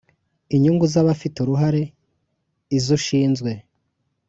Inyungu z abafite uruhare iz ushinzwe